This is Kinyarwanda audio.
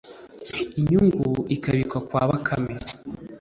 inyungu ikabikwa kwa Bakame